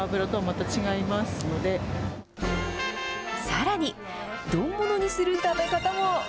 さらに、丼ものにする食べ方も。